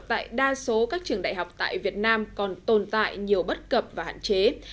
tại đa số các trường đại học tại việt nam còn tồn tại nhiều bất cập và hạn chế